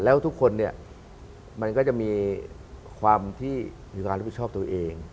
และทุกคนมันก็จะมีความที่วิขับตัวเอง